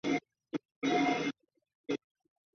群胚的概念在拓扑学中很重要。